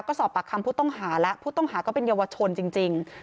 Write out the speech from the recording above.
ก็สอบปากคำผู้ต้องหาแล้วผู้ต้องหาก็เป็นเยาวชนจริง